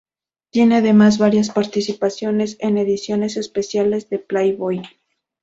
Tiene además varias participaciones en ediciones especiales de Playboy.